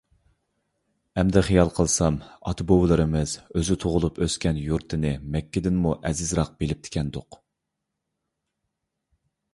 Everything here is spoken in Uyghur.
ئەمدى خىيال قىلسام، ئاتا-بوۋىلىرىمىز ئۆزى تۇغۇلۇپ ئۆسكەن يۇرتىنى مەككىدىنمۇ ئەزىزراق بىلىپتىكەندۇق.